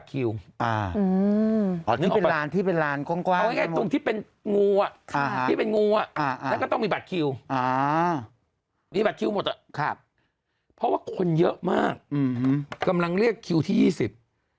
ครับเพราะว่าคนเยอะมากอืมอืมกำลังเรียกคิวที่ยี่สิบ